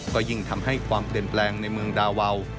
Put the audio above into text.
ก็ยิ่งทำให้ความเปลี่ยนแปลงในเมืองดาวาว